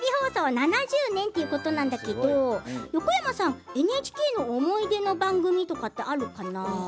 ７０年ということなんだけど横山さんは、ＮＨＫの思い出の番組とかってあるかな？